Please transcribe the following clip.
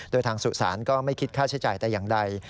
โดยทางสุสานก็ไม่คิดค่าใช้จ่ายแต่อย่างใด